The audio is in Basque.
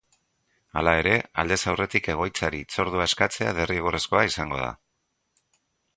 Hala ere, aldez aurretik egoitzari hitzordua eskatzea derrigorrezkoa izango da.